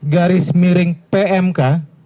garis miring pmk